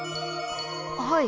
はい。